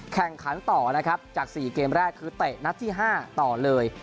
แข่งขันต่อนะครับจาก๔เกมแรกคือเตะนัดที่๕ต่อเลย